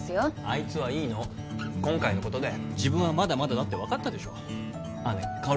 あいつはいいの今回のことで自分はまだまだだって分かったでしょねえか